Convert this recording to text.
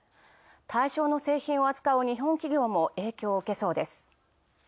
対象の製品を扱う日本企業も影響を受けそうです。